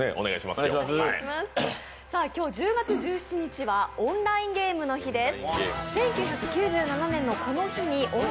今日１０月１７日はオンラインゲームの日です。